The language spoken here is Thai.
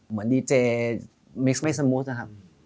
เหมือนดีเจมิกซ์ไม่สมูทนะครับ